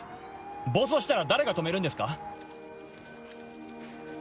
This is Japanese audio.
暴走したら誰が止めるんですか？